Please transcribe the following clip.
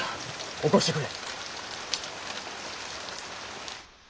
起こしてくれ。